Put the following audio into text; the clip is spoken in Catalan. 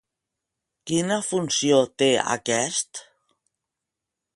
Quina funció té aquest?